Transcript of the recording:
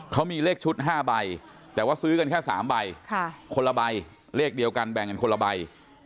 เขามีเลขชุด๕ใบแต่ว่าซื้อกันแค่๓ใบคนละใบเลขเดียวกันแบ่งกันคนละใบ